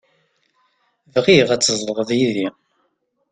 Bɣiɣ ad tzedɣeḍ yid-i.